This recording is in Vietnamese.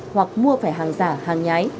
hoặc mua phải hàng giả hàng nhái